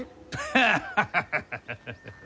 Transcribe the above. ハハハハハ。